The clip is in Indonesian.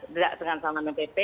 tidak dengan sama dengan pp